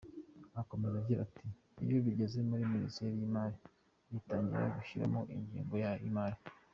Akomeza agira ati” Iyo bigeze muri Minisiteri y’imari itangira gushyiramo ingengo y’imari.